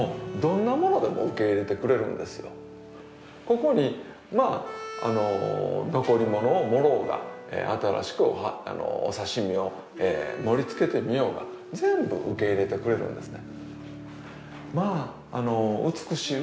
ここに残り物を盛ろうが新しくお刺身を盛りつけてみようが全部受け入れてくれるんですね。